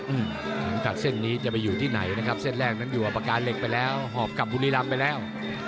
อืมเหมือนกันเส้นนี้จะไปอยู่ที่ไหนนะครับเส้นแรกนั้นอยู่อพการเหล็กไปแล้วหอบกับบูรณิรัมพ์ไปแล้ว